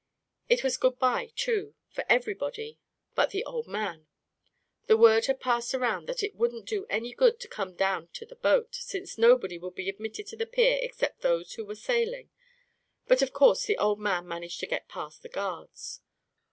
It was good bye, too, for everybody but the old A KING IN BABYLON 49 man. The word was passed around that it wouldn't do any good to come down to the boat, since nobody would be admitted to the pier except those who were sailing; but of course the old man managed to get past the guards.